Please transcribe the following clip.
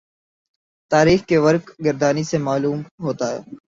تاریخ کی ورق گردانی سے معلوم ہوتا ہے